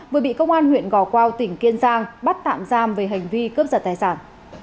vừa bị công an huyện gò quao tỉnh kiên giang bắt tạm giam về hành vi cướp giật tài sản